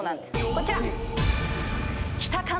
こちら。